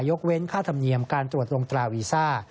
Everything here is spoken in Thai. ยกเว้นค่าธรรมเนียมการตรวจลงตราวีซ่า